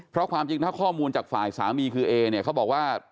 เพราะความจริงถ้าข้อมูลจากฝ่ายสามีคือเอเนี่ยเขาบอกว่า